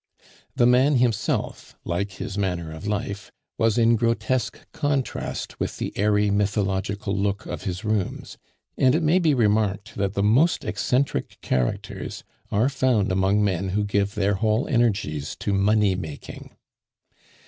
The man himself, like his manner of life, was in grotesque contrast with the airy mythological look of his rooms; and it may be remarked that the most eccentric characters are found among men who give their whole energies to money making.